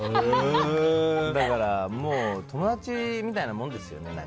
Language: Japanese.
だから、もう友達みたいなもんですよね。